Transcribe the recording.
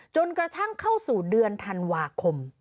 จนกระทั่งเข้าสู่เดือนธันวาคม